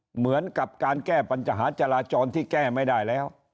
เหมือนกับการแก้ปัญหาจราจรที่แก้ไม่ได้แล้ว